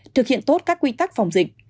thực hiện tốt các quy tắc phòng dịch